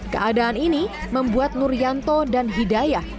keadaan ini membuat nur yanto dan hidayah